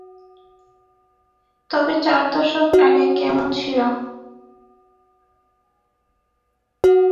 তবে চার দশক আগে কেমন ছিল?